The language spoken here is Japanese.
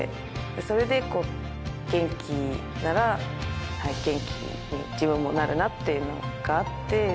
それでこう元気なら元気に自分もなるなっていうのがあって。